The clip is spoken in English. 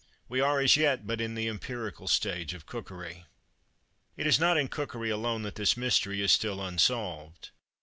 We are as yet but in the empirical stage of cookery." It is not in cookery alone that this mystery is still unsolved.